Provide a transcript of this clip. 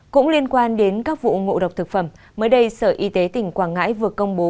cũng liên quan đến các vụ ngộ độc thực phẩm mới đây sở y tế tỉnh quảng ngãi vừa công bố